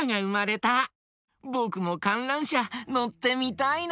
ぼくもかんらんしゃのってみたいな。